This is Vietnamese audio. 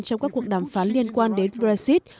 trong các cuộc đàm phán liên quan đến brexit